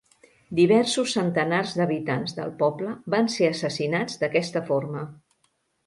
Diversos centenars d'habitants del poble van ser assassinats d'aquesta forma.